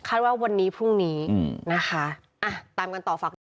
คันว่าวันนี้พรุ่งนี้นะคะ